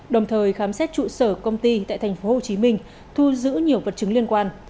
đồng thời khám xét trụ sở công ty tại tp hcm thu giữ nhiều vật chứng liên quan